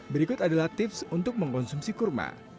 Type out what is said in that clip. berikut adalah tips untuk mengkonsumsi kurma